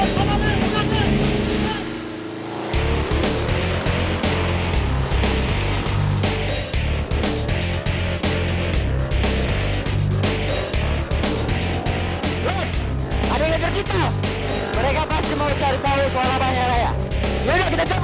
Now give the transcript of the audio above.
kamu aja yang jelasin saya gak tega